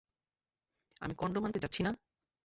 আমি কনডম আনতে যাচ্ছি না!